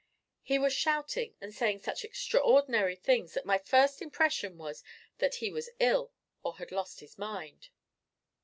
He was shouting and saying such extraordinary things that my first impression was that he was ill or had lost his mind.